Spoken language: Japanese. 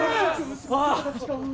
ああ！